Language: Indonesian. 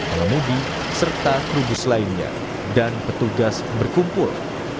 alamudi serta tugas lainnya dan petugas berkumpul